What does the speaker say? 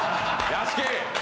屋敷！